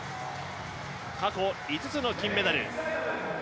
過去５つの金メダル。